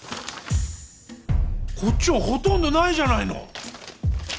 こっちはほとんどないじゃないの！